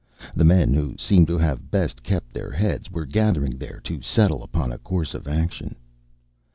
The men who seemed to have best kept their heads were gathering there to settle upon a course of action.